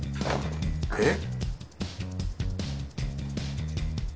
えっ？